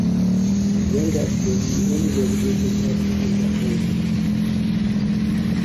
Yandex was the only navigation app in that ranking.